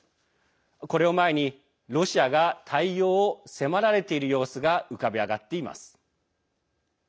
これを前にロシアが対応を迫られている様子が浮かび上がっています。